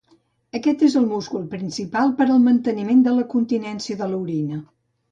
Aquest és el múscul principal per al manteniment de la continència de l'orina.